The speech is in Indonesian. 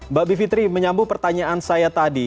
mbak bivitri menyambung pertanyaan saya tadi